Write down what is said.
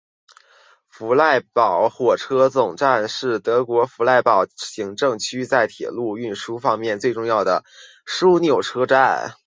弗赖堡火车总站是德国弗赖堡行政区在铁路运输方面最重要的枢纽车站。